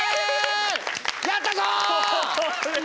やったぞ！